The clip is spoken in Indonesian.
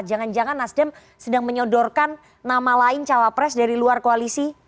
jangan jangan nasdem sedang menyodorkan nama lain cawapres dari luar koalisi